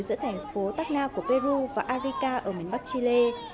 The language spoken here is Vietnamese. giữa thành phố tacna của peru và africa ở miền bắc chile